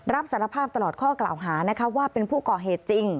รับสารภาพตลอดข้อกล่าวหานะคะว่าเป็นผู้ก่อเหตุจริง